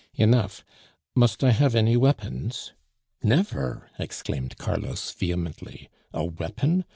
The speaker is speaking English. "Enough. Must I have any weapons?" "Never!" exclaimed Carlos vehemently. "A weapon?